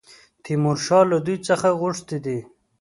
تیمورشاه له دوی څخه غوښتي دي.